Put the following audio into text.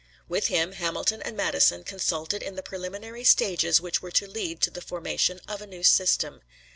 With him Hamilton and Madison consulted in the preliminary stages which were to lead to the formation of a new system.